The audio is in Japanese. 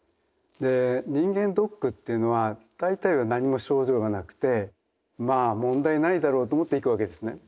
で人間ドックっていうのは大体は何も症状がなくてまあ問題ないだろうと思って行くわけですね。